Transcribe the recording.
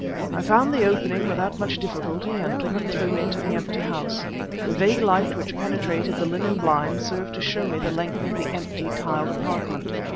I found the opening without much difficulty and crept through into the empty house. The vague light which penetrated the linen blinds served to show me the length of the empty, tiled apartment.